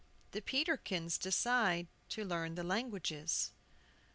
THE PETERKINS DECIDE TO LEARN THE LANGUAGES.